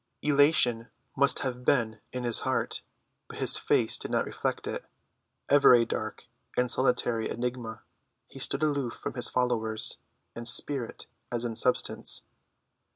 Elation must have been in his heart, but his face did not reflect it: ever a dark and solitary enigma, he stood aloof from his followers in spirit as in substance.